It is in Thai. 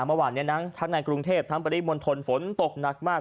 เมื่อวานนี้นะทั้งในกรุงเทพทั้งปริมณฑลฝนตกหนักมาก